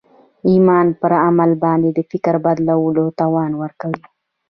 ایمان پر عمل باندې د فکر بدلولو توان ورکوي